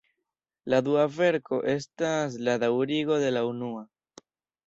La dua verko estas la daŭrigo de la unua.